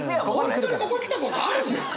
本当にここ来たことあるんですか！？